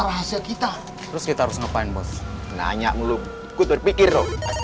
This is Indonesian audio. rahasia kita terus kita harus ngapain bos nanya mulu kut berpikir